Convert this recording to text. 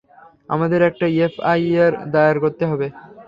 আমাদের একটা এফআইআর দায়ের করতে হবে।